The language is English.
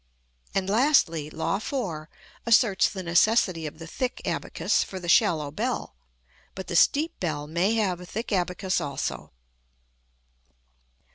And lastly, Law 4 asserts the necessity of the thick abacus for the shallow bell; but the steep bell may have a thick abacus also.